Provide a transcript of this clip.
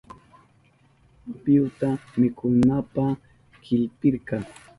Apiyuta mikunanpa chillpirka.